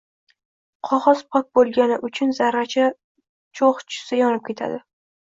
Qog’oz pok bo’lgani uchun zarracha cho’g’ tushsa, yonib ketadi.